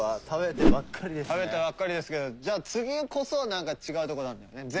食べてばっかりですけどじゃあ次こそはなんか違うとこなんだよね。